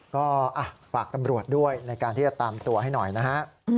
ก็ฝากตำรวจด้วยในการที่จะตามตัวให้หน่อยนะฮะ